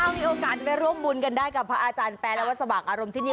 มีโอกาสไปร่วมบุญกันได้กับพระอาจารย์แปรและวัดสว่างอารมณ์ที่นี่